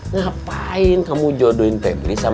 ngapain kamu jodohin febri sama anwar